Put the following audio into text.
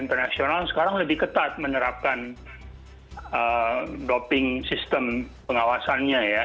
internasional sekarang lebih ketat menyerapkan doping sistem pengawasannya ya